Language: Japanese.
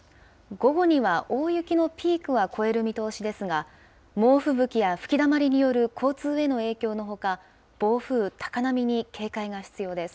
午後には大雪のピークは越える見通しですが、猛吹雪や吹きだまりによる交通への影響のほか、暴風、高波に警戒が必要です。